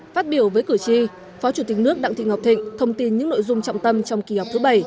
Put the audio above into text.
phát biểu với cử tri phó chủ tịch nước đặng thị ngọc thịnh thông tin những nội dung trọng tâm trong kỳ họp thứ bảy